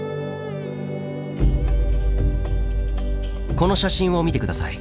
この写真を見て下さい。